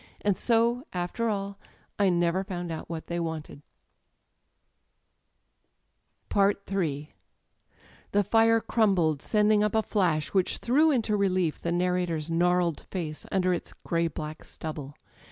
And so, after all, I never found out what they wanted . • •" m The fire crumbled, sending up a flash which threw into relief the narrator's gnarled face under its grey black stubble.